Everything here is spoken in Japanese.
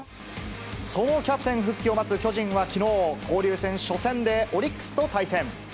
そのキャプテン復帰を待つ巨人は、きのう、交流戦初戦でオリックスと対戦。